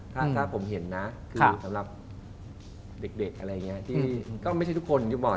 ถ้าผมเห็นนะคือสำหรับเด็กอะไรอย่างนี้ที่ก็ไม่ใช่ทุกคนอย่างที่บอก